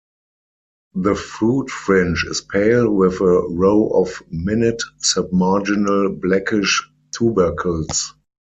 The foot-fringe is pale, with a row of minute submarginal blackish tubercles.